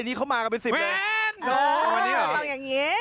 นี่เขามากันเป็น๑๐เลย